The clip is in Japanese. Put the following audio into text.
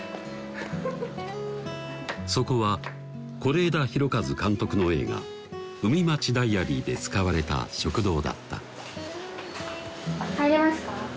そこは是枝裕和監督の映画「海街ｄｉａｒｙ」で使われた食堂だった入れますか？